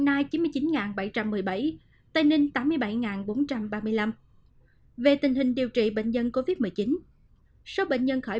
lai châu ba mươi bảy an giang ba mươi một cao bằng ba mươi hai